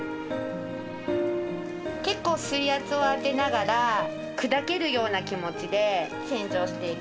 結構水圧を当てながら砕けるような気持ちで洗浄していきます。